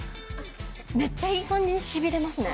めっちゃいい感じにしびれますね。